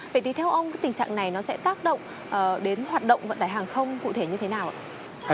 vậy thì theo ông tình trạng này nó sẽ tác động đến hoạt động vận tải hàng không cụ thể như thế nào ạ